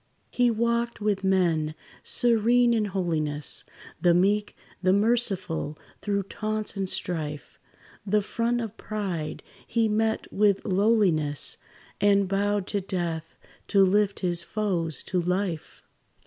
He walked with men, serene in holiness, The meek, the merciful, through taunts and strife; The front of pride he met with lowliness, And bowed to death to lift his foes to life.